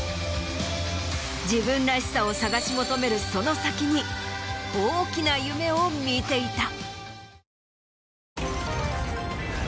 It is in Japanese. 自分らしさを探し求めるその先に大きな夢を見ていた。